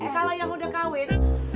kalau yang udah kawin